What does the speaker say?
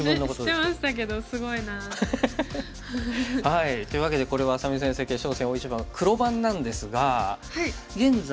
知ってましたけどすごいな。というわけでこれは愛咲美先生決勝戦大一番黒番なんですが現在。